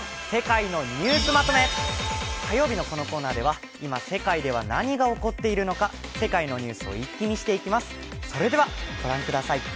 火曜日のこのコーナーでは今世界で何が起こっているのか世界のニュースを一気見していきます。